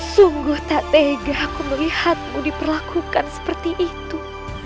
sungguh tak tega aku melihatmu diperlakukan seperti itu